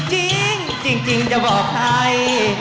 จริงจริงจะบอกใคร